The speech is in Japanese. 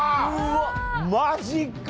マジか！